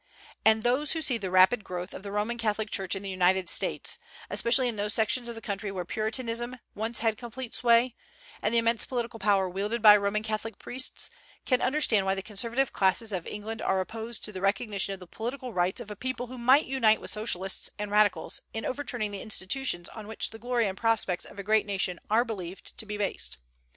And those who see the rapid growth of the Roman Catholic Church in the United States, especially in those sections of the country where Puritanism once had complete sway, and the immense political power wielded by Roman Catholic priests, can understand why the conservative classes of England are opposed to the recognition of the political rights of a people who might unite with socialists and radicals in overturning the institutions on which the glory and prospects of a great nation are believed to be based.